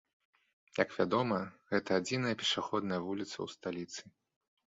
Як вядома, гэта адзіная пешаходная вуліца ў сталіцы.